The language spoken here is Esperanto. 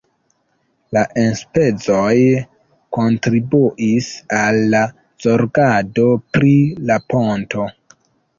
La enspezoj kontribuis al la zorgado pri la ponto.